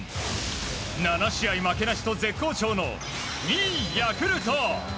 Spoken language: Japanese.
７試合負けなしと絶好調の２位、ヤクルト。